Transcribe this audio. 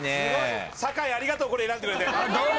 酒井ありがとうこれ選んでくれて！